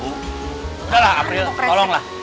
udah lah april tolonglah